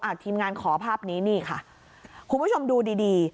ทีมงานขอภาพนี้นี่ค่ะคุณผู้ชมดูดีดี